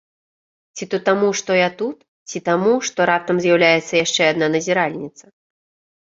Ці то таму, што я тут, ці таму, што раптам з'яўляецца яшчэ адна назіральніца.